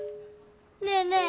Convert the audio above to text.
ねえねえ